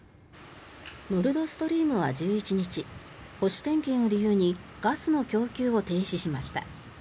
ノルド・ストリームは１１日保守点検を理由にガスの供給を停止しました。